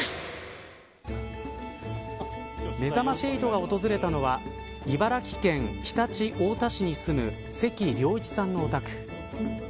めざまし８が訪れたのは茨城県常陸太田市に住む関良一さんのお宅。